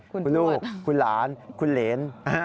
คุณลูกคุณหลานคุณเหรน